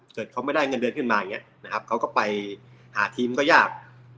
เกิดเขาไม่ได้เงินเดือนขึ้นมาอย่างนี้นะครับเขาก็ไปหาทีมก็ยาก